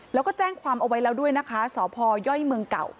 แล้วก็แจ้งความเอาไว้แล้วด้วยนะคะสพย่อยเมืองเก่า